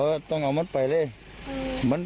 แม่เฉียวจังไงแม่วางมาเลยแม่น่ะ